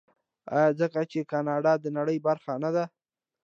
آیا ځکه چې کاناډا د نړۍ برخه نه ده؟